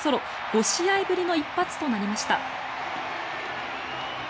５試合ぶりの一発となりました。